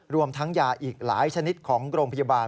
รวมทั้งยาอีกหลายชนิดของโรงพยาบาล